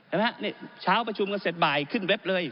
เห็นไหมฮะนี่เช้าประชุมกันเสร็จบ่ายขึ้นเว็บเลย